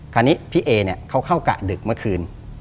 คราวนี้พี่เอเนี่ยเขาเข้ากะดึกเมื่อคืน